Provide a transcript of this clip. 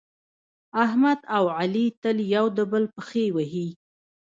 احمد او علي تل یو د بل پښې وهي.